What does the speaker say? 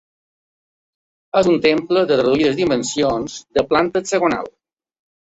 És un temple de reduïdes dimensions, de planta hexagonal.